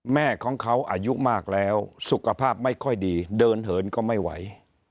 แม่ของเขาอายุมากแล้วสุขภาพไม่ค่อยดีเดินเหินก็ไม่ไหว